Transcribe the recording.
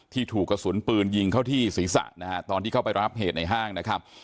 ถูกกระสุนปืนยิงเข้าที่ศีรษะนะฮะตอนที่เข้าไปรับเหตุในห้างนะครับ